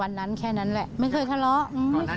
วันนั้นแค่นั้นแหละไม่เคยทะเลาะ